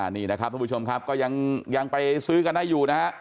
นี่นะครับทุกผู้ชมครับก็ยังไปซื้อกันได้อยู่นะฮะ